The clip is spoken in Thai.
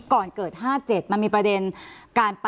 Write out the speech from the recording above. ก่อนเกิด๕๗มันมีประเด็นการปะทะกัน